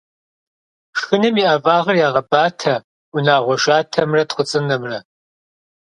Шхыным и ӏэфагъыр ягъэбатэ унагъуэ шатэмрэ тхъуцӏынэмрэ.